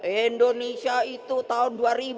indonesia itu tahun dua ribu empat puluh lima